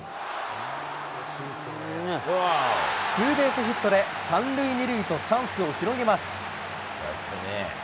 ツーベースヒットで３塁２塁とチャンスを広げます。